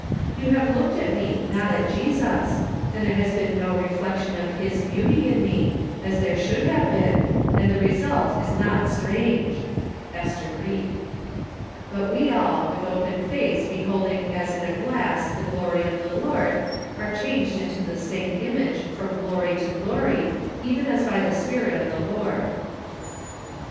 " You have looked at me, not at Jesus, and there has been no reflection of his beauty in me, as there should have been, and the result is not strange." Ester Ried. " But we all, with open face beholding as in a glass the glory of the Lord, are changed into the same image from glory to glory, even as by the spirit of the Lord